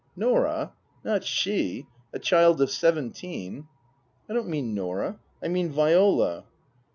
" Norah ? Not she ! A child of seventeen !"" I don't mean Norah. I mean Viola."